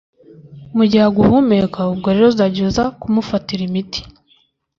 mu gihe aguhumeka ubwo rero uzajya uza kumufatira imiti